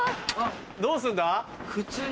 どうすんだ？